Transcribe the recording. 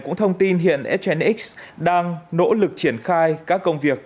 cũng thông tin hiện schnx đang nỗ lực triển khai các công việc